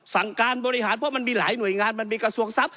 สั่งการบริหารเพราะมันมีหลายหน่วยงานมันมีกระทรวงทรัพย